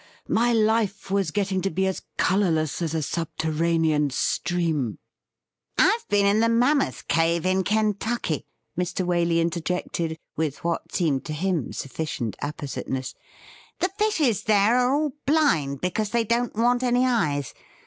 My life was getting to be as colourless as a subterranean stream ''' Fve been in .the Mammoth Cave in Kentucky,' Mr. Waley interjected, with what seemed to him sufficient appositeness. ' The fishes there are aU blind, because they don't want any eyes.